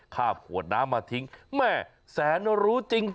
ข้ามหัวหน้ามาทิ้งแม่แสนรู้จริง